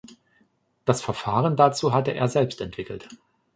Das Verfahren dazu hatte er selbst entwickelt.